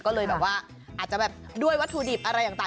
ก็เลยแบบว่าอาจจะแบบด้วยวัตถุดิบอะไรต่าง